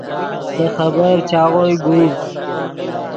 دے خبر چاغوئے گوڤد